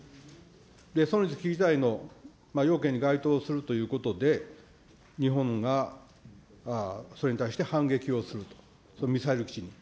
存立危機事態の要件に該当するということで、日本がそれに対して反撃をすると、そのミサイル基地に。